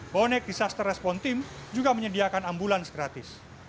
bonek disaster response team juga menyediakan ambulans gratis